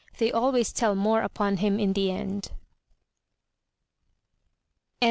they always tell more upon him in the end.